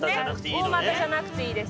大股じゃなくていいです。